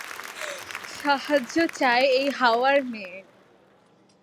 সাহায্য চায় এই হাওয়ার মেয়ে।